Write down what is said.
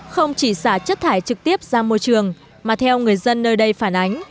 không chỉ xả chất thải trực tiếp ra môi trường mà theo người dân nơi đây phản ánh